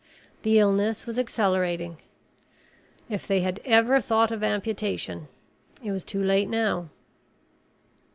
The illness was accelerating. If they had ever thought of amputation, it was too late, now.